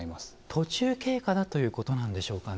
途中経過だということなんでしょうかね。